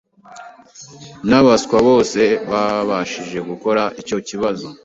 N'abaswa bose babashije gukora icyo kibazo